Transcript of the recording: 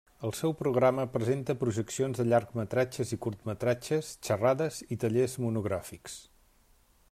El seu programa presenta projeccions de llargmetratges i curtmetratges, xerrades i tallers monogràfics.